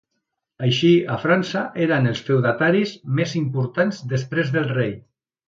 Així a França eren els feudataris més importants després del rei.